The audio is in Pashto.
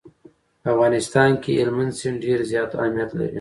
په افغانستان کې هلمند سیند ډېر زیات اهمیت لري.